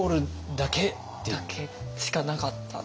だけしかなかったんで。